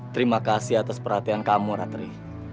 terima kasih atas perhatian kamu mbak teri